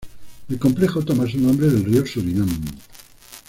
El complejo toma su nombre del río Surinam.